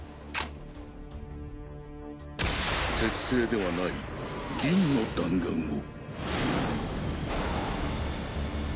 鉄製ではない銀の弾丸を。